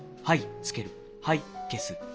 はいつける」。